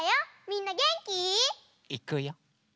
みんなげんき？いくよ。